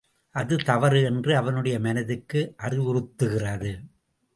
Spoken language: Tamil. அது தவறு என்று அவனுடைய மனதுக்கு அறிவுறுத்துகிறது.